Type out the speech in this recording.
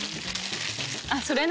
あっそれね。